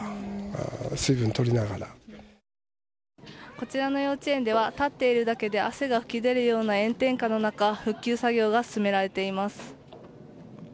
こちらの幼稚園では立っているだけで汗が噴き出るような炎天下の中復旧作業が進められています。